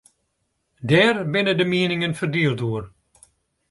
Dêr binne de mieningen ferdield oer.